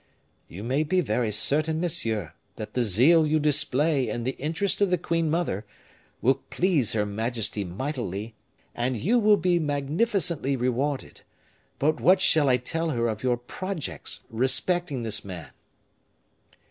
"You may be very certain, monsieur, that the zeal you display in the interest of the queen mother will please her majesty mightily, and you will be magnificently rewarded; but what shall I tell her of your projects respecting this man?"